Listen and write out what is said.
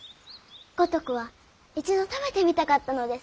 五徳は一度食べてみたかったのです。